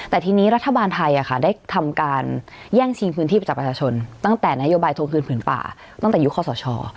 แต่ทีนี้รัฐบาลไทยได้ทำการแย่งชิงพื้นที่ไปจากประชาชนตั้งแต่นโยบายทวงคืนผืนป่าตั้งแต่ยุคคอสช